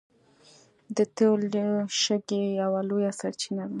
د تیلو شګې یوه لویه سرچینه ده.